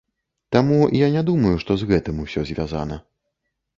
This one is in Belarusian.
Таму я не думаю, што з гэтым усё звязана.